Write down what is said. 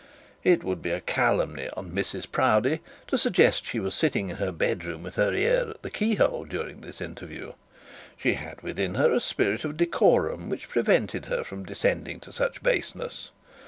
It would be calumny on Mrs Proudie to suggest that she was sitting in her bed room with her ear at the keyhole during this interview. She had within her a spirit of decorum which prevented her from descending to such baseness.